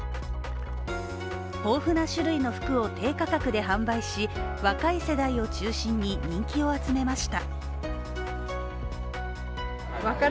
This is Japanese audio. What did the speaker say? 豊富な種類の服を低価格で販売し若い世代を中心に人気を集めました。